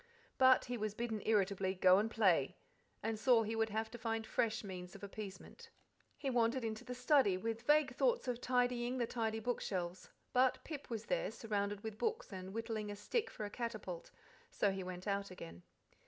But he was bidden irritably "go and play," and saw he would have to find fresh means of appeasement. He wandered into the study, with vague thoughts of tidying the tidy bookshelves; but Pip was there, surrounded with books and whittling a stick for a catapult, so he went out again.